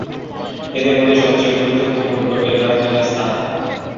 এদের মধ্যে সবচেয়ে গুরুত্বপূর্ণ হল এর রাজধানী সানা।